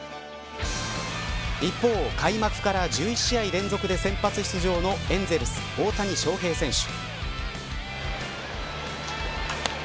一方、開幕から１１試合連続先発出場のエンゼルス、大谷翔平選手。